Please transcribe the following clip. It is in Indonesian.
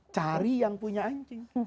cari yang punya anjing